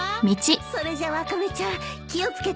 それじゃあワカメちゃん気を付けて。